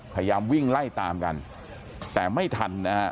พยายามวิ่งไล่ตามกันแต่ไม่ทันนะฮะ